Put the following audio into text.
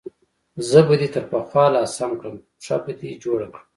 زه به دې تر پخوا لا سم کړم، پښه به دې جوړه کړم.